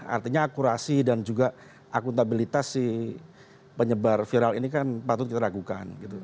artinya akurasi dan juga akuntabilitas si penyebar viral ini kan patut kita ragukan